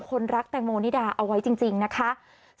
คนรักแตงโมนิดาเอาไว้จริงนะคะ